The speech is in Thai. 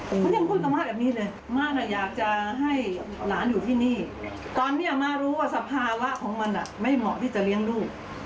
ผมยังพูดกับม่าแบบนี้เลยมาน่ะอยากจะให้หลานอยู่ที่นี่ตอนนี้มารู้ว่าสภาวะของมันไม่เหมาะที่จะเลี้ยงลูก